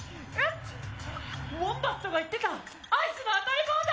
ウォンバットが言ってたアイスの当たり棒だ！